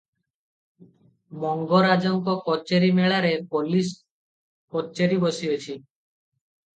ମଙ୍ଗରାଜଙ୍କ କଚେରୀ ମେଲାରେ ପୋଲିସ କଚେରୀ ବସିଅଛି ।